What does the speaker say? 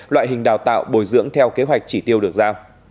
loại hình đào tạo bồi dưỡng theo kế hoạch chỉ tiêu được giao